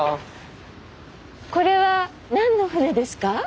これは何の船ですか？